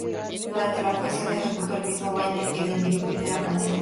Durante la actuación, ejecutó el mismo baile que en el "videoclip" de la canción.